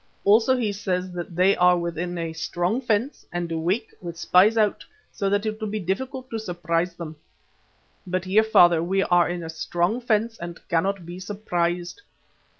Also he says that they are within a strong fence and awake, with spies out, so that it will be difficult to surprise them. But here, father, we are in a strong fence and cannot be surprised.